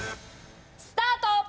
スタート！